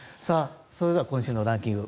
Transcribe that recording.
それでは今週のランキング